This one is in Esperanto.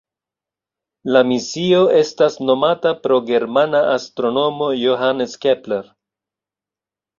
La misio estas nomata pro germana astronomo Johannes Kepler.